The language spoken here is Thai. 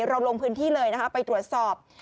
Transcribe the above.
ลงพื้นที่เลยนะคะไปตรวจสอบ